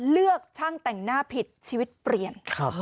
เลือกช่างแต่งหน้าผิดชีวิตเปลี่ยน